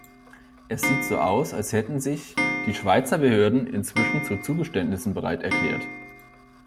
Es sieht so aus, als hätten sich die Schweizer Behörden inzwischen zu Zugeständnissen bereiterklärt.